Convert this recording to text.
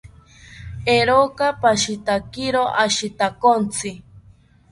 Eeroka pashitakiro ashitakontzi